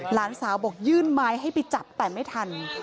หลานสาวบอกยื่นไม้ให้ไปจับแต่ไม่ทัน